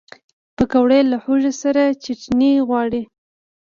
پکورې له هوږې سره چټني غواړي